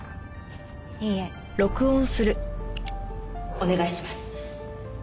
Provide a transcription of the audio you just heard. お願いします。